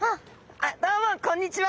どうもこんにちは！